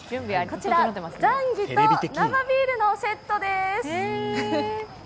こちらザンギと生ビールのセットです。